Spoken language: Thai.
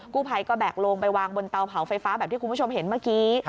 ผู้ภัยก็แบกลงไปวางบนเตาเผาไฟฟ้าแบบที่คุณผู้ชมเห็นเมื่อกี้